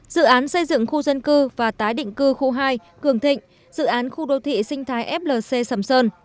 dự án xây dựng khu dân cư và tái định cư khu hai cường thịnh dự án khu đô thị sinh thái flc sầm sơn